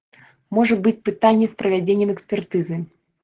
Можа быць пытанне з правядзеннем экспертызы.